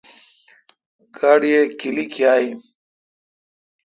گاڑی اے کیلی کاں این۔